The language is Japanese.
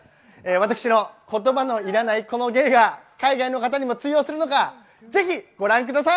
私の言葉のいらないこの芸が海外の方にも通用するのか、ぜひご覧ください。